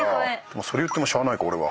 それ言ってもしゃあないか俺は。